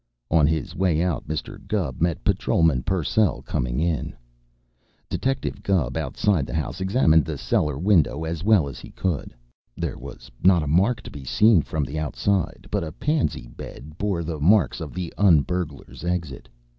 On his way out Mr. Gubb met Patrolman Purcell coming in. [Illustration: "WHO SENT YOU HERE, ANYWAY?"] Detective Gubb, outside the house, examined the cellar window as well as he could. There was not a mark to be seen from the outside, but a pansy bed bore the marks of the un burglar's exit.